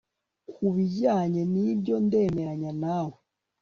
Kubijyanye nibyo ndemeranya nawe